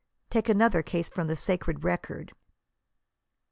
Take another case from the sacred record.